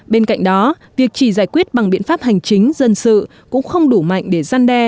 bên cạnh đó việc chỉ giải quyết bằng biện pháp hành chính dân sự cũng không đủ mạnh để gian đe